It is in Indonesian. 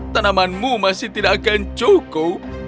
tanamanmu masih tidak akan cukup